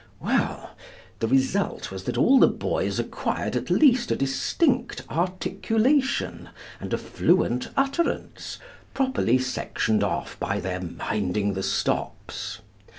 Well, the result was that all the boys acquired at least a distinct articulation and a fluent utterance, properly sectioned off by their minding the stops.